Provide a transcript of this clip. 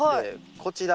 こちら